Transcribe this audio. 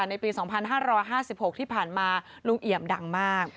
ในปี๒๕๕๖ที่ผ่านมาลุงเอี่ยมดังมาก